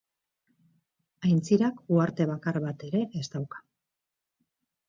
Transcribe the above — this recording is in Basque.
Aintzirak uharte bakar bat ere ez dauka.